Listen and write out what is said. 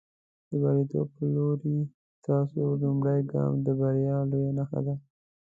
د برياليتوب په لورې، ستاسو لومړنی ګام د بریا لویه نښه ده.